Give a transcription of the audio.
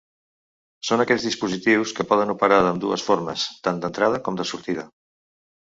Són aquells dispositius que poden operar d'ambdues formes, tant d'entrada com de sortida.